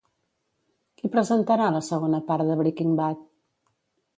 Qui presentarà la segona part de Breaking Bad?